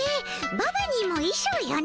ババにもいしょうよね。